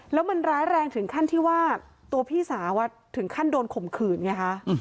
แล้วมันร้ายแรงถึงขั้นที่ว่าตัวพี่สาวถึงขั้นโดนข่มขืนไงคะ